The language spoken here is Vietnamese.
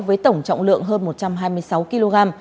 với tổng trọng lượng hơn một trăm hai mươi sáu kg